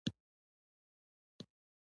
شا ته يې وکتل.